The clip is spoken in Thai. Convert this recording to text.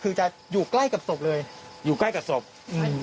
คือจะอยู่ใกล้กับศพเลยอยู่ใกล้กับศพอืม